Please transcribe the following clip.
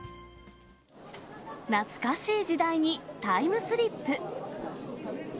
懐かしい時代にタイムスリップ。